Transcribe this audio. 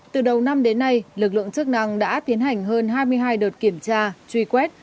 từ đầu năm đến nay lực lượng chức năng đã tiến hành hơn hai mươi hai đợt kiểm tra truy quét